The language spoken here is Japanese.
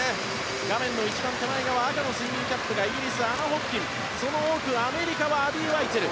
画面の一番手前赤のスイミングキャップがイギリス、アナ・ホプキンその奥、アメリカはアビー・ワイツェル。